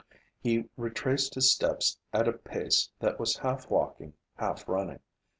He retraced his steps at a pace that was half walking, half running.